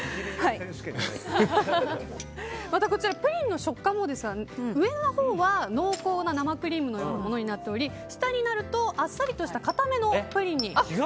こちら、プリンの食感もですが上のほうは濃厚な生クリームのようになっており下になるとあっさりとした固めのプリンに。